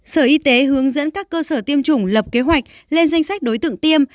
sở y tế hướng dẫn các cơ sở tiêm chủng lập kế hoạch lên danh sách đối tượng tiêm